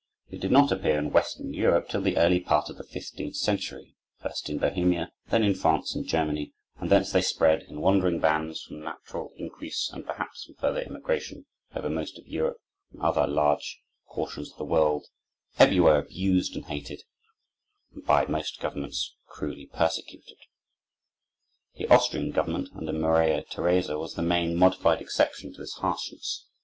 They did not appear in Western Europe till the early part of the fifteenth century, first in Bohemia, then in France and Germany, and thence they spread, in wandering bands, from natural increase, and, perhaps, from further immigration, over most of Europe and other large portions of the world, everywhere abused and hated, and by most governments cruelly persecuted. The Austrian government, under Maria Theresa, was the main, modified exception to this harshness.